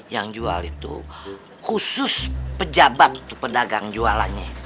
yang jual itu khusus pejabat pedagang jualannya